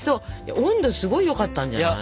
温度すごいよかったんじゃない？